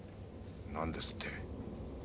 何ですって？